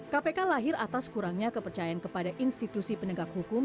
kpk lahir atas kurangnya kepercayaan kepada institusi penegak hukum